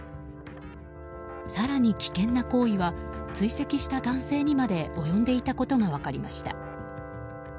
更に危険な行為は追跡した男性にまで及んでいたことが分かりました。